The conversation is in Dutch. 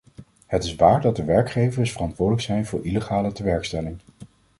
Het is waar dat de werkgevers verantwoordelijk zijn voor illegale tewerkstelling.